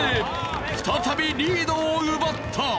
再びリードを奪った。